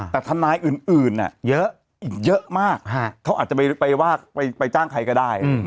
แต่ทนายอื่นอื่นอ่ะเยอะเยอะมากฮะเขาอาจจะไปไปว่าไปไปจ้างใครก็ได้